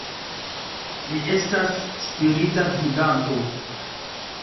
Li estas spirita gvidanto.